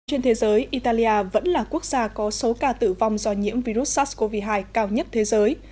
trên thế giới italia vẫn là quốc gia có số ca tử vong do nhiễm virus sars cov hai cao nhất thế giới